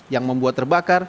yang membuat terbakar